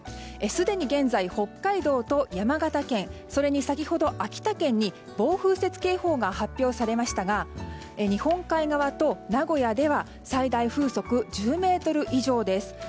すでに現在北海道と山形県、それに先ほど秋田県に暴風雪警報が発表されましたが日本海側と名古屋では最大風速１０メートル以上です。